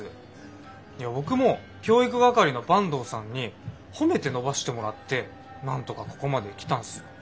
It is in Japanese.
いや僕も教育係の坂東さんに褒めて伸ばしてもらってなんとかここまで来たんすよ。